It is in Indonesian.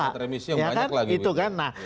dapat remisi yang banyak lagi